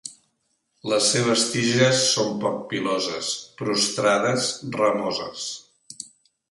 Les seves tiges són poc piloses, prostrades, ramoses.